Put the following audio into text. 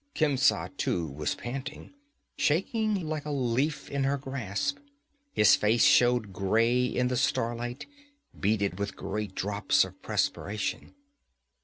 Khemsa too was panting, shaking like a leaf in her grasp; his face showed gray in the starlight, beaded with great drops of perspiration.